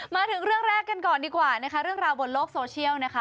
มาถึงเรื่องแรกกันก่อนดีกว่านะคะเรื่องราวบนโลกโซเชียลนะคะ